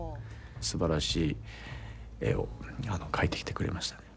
すばらしい絵を描いてきてくれましたね。